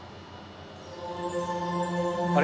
あれ？